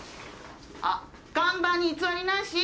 あっ看板に偽りなし？